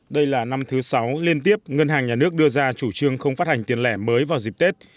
đây là năm thứ sáu liên tiếp ngân hàng nhà nước đưa ra chủ trương không phát hành tiền lẻ mới vào dịp tết